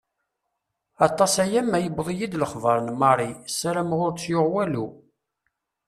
Aṭas-aya ma yewweḍ-iyi lexbeṛ n Marie ; ssarameɣ ur tt-yuɣ walu.